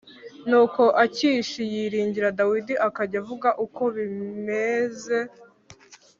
nuko akishi yiringira dawidi akajya avuga uko bimmeze